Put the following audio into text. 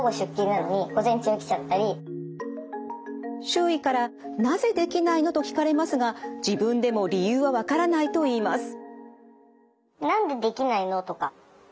周囲から「なぜできないの？」と聞かれますが自分でも理由は分からないといいます。